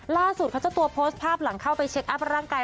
ล่าสุดค่ะเจ้าตัวโพสต์ภาพหลังเข้าไปเช็คอัพร่างกาย